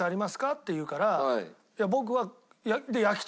って言うから僕は。